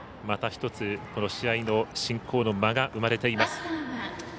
また１つ、この試合の進行の間が生まれています。